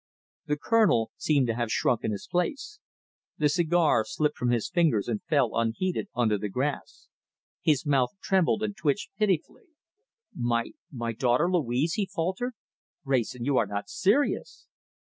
The Colonel seemed to have shrunk in his place. The cigar slipped from his fingers and fell unheeded on to the grass. His mouth trembled and twitched pitifully. "My my daughter Louise!" he faltered. "Wrayson, you are not serious!"